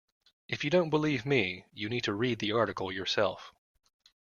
If you don't believe me, you need to read the article yourself